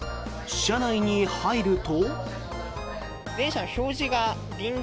車内に入ると。